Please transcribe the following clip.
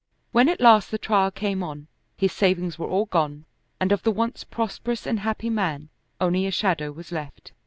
When at last the trial came on, his savings were all gone, and of the once prosperous and happy man only a shadow was left.